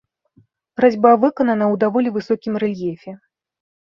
Разьба выканана ў даволі высокім рэльефе.